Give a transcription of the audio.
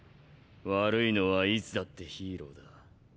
悪いのはいつだってヒーローだ。